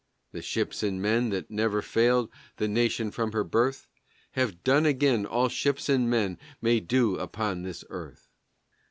The ships and men that never failed the nation from her birth Have done again all ships and men may do upon this earth.